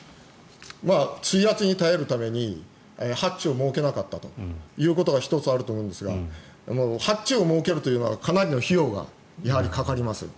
水圧に耐えるためにハッチを設けなかったことが１つあると思うんですがハッチを設けるというのはかなりの費用がかかります。